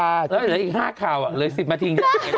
แล้วเหลืออีก๕ข่าวเหลือ๑๐นาที